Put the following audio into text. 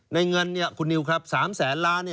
ในเงินนี่คุณนิวครับ๓๐๐๐๐๐ล้านบาท